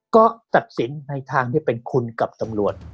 ก็ตัดสินในทางที่เป็นคุณกับตำรวจ